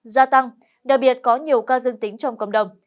gia tăng đặc biệt có nhiều ca dương tính trong cộng đồng